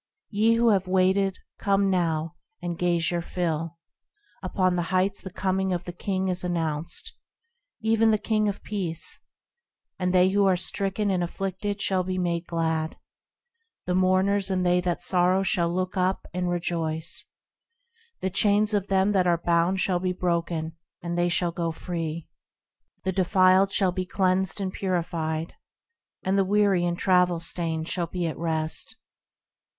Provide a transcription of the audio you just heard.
Ye who have waited, come now, and gaze your fill: Upon the Heights the coming of the King is announced, Even the King of Peace; And they who are stricken and afflicted shall be made glad; The mourners and they that sorrow shall look up, and rejoice: The chains of them that are bound shall be broken, and they shall go free; The defiled shall be cleansed and purified, And the weary and travel stained shall be at rest.